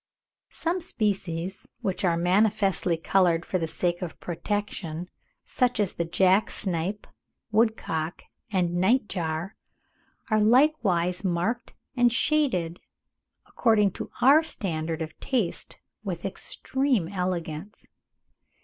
Some species, which are manifestly coloured for the sake of protection, such as the jack snipe, woodcock, and night jar, are likewise marked and shaded, according to our standard of taste, with extreme elegance.